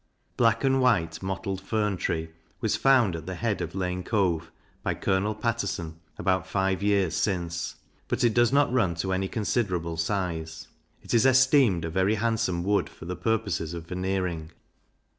Black and white mottled Fern tree was found at the head of Lane Cove, by Colonel Paterson, about five years since; but it does not run to any considerable size. It is esteemed a very handsome wood for the purposes of veneering.